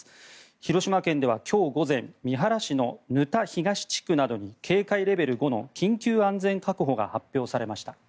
広島県では今日午前三原市の沼田東地区などに警戒レベル５の緊急安全確保が発表されました。